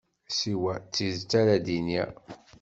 Siwa tidet ara d-iniɣ.